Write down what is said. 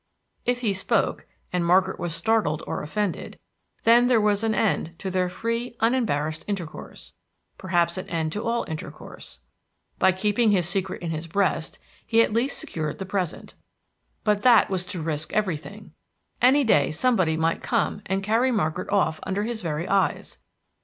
If he spoke, and Margaret was startled or offended, then there was an end to their free, unembarrassed intercourse, perhaps an end to all intercourse. By keeping his secret in his breast he at least secured the present. But that was to risk everything. Any day somebody might come and carry Margaret off under his very eyes.